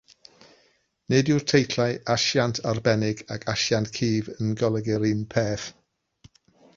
Nid yw'r teitlau asiant arbennig ac asiant cudd yn golygu'r un peth.